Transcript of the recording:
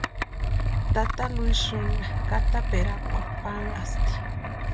Tata Luisïnha kʼataperakwarhu panhasti.